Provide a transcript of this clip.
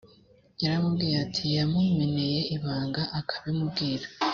yaramubwiye ati yamumeneye ibanga akabimubwira